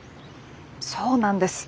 そうなんです！